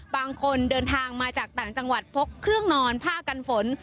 บางคนเดินทางมาจากต่างจังหวัดพกเครื่องนอนผ้ากันฝน